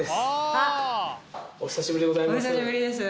あ！お久しぶりでございます。